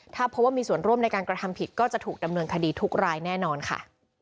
ถ้าพบว่ามีส่วนร่วมในการกระทำผิดก็จะถูกดำเนินคดีทุกรายแน่นอนค่ะ